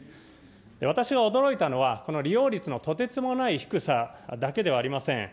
私が驚いたのは、この利用率のとてつもない低さだけではありません。